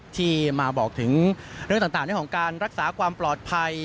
ที่มาบอกถึงเรื่องต่างในของการรักษาความปลอดภัย